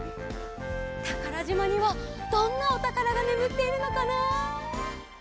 たからじまにはどんなおたからがねむっているのかな？